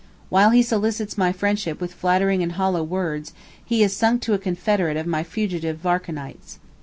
While he solicits my friendship with flattering and hollow words, he is sunk to a confederate of my fugitive Varchonites.